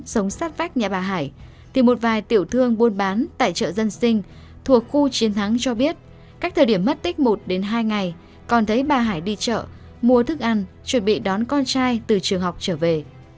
trước khi bà hải bắt phách nhà bà hải thì một vài tiểu thương buôn bán tại chợ dân sinh thuộc khu chiến thắng cho biết các thời điểm mất tích một hai ngày còn thấy bà hải đi chợ mua thức ăn chuẩn bị đón con trai từ trường học trở về